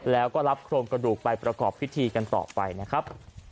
แล้วก็รับโครงกระดูกไปประกอบพิธีกันต่อไปนะครับ